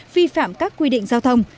vi phạm các quy định giao thông